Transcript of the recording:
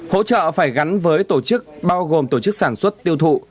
hỗ trợ phải gắn với tổ chức bao gồm tổ chức sản xuất tiêu thụ